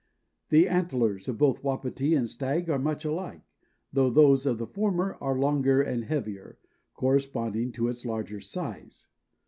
The antlers of both Wapiti and stag are much alike, though those of the former are longer and heavier, corresponding to its larger size.